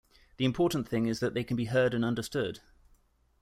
The important thing is that they can be heard and understood.